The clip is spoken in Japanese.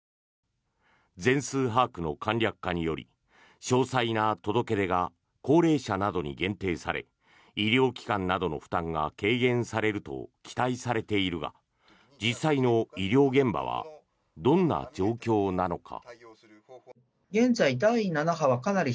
全数把握の簡略化により詳細な届け出が高齢者などに限定され医療機関などの負担が軽減されると期待されているが実際の医療現場はどんな状況なのか。